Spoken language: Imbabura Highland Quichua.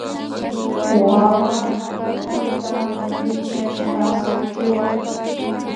Wawa tukuta wichkashpa sakirka